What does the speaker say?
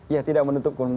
ya tidak menutup mungkin